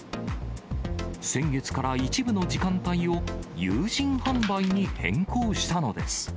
先月から一部の時間帯を有人販売に変更したのです。